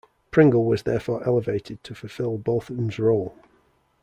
Pringle was therefore elevated to fulfill Botham's role.